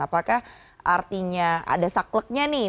apakah artinya ada sakleknya nih